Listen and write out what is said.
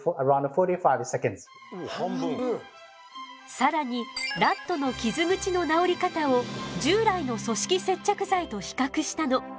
更にラットの傷口の治り方を従来の組織接着剤と比較したの。